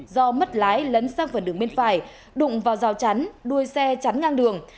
do mất lái lấn sang phần đường bên phải đụng vào rào chắn đuôi xe chắn ngang đường